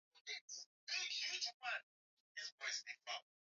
kufuatilia na kutathimini matumizi ya ruzuku ya Serikali za Mitaa zilizo katika Mikoa